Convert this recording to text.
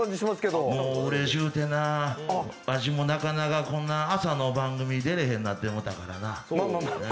もううれしゅうてな、わしもなかなかこんな朝の番組出れへんようになってもうたからな。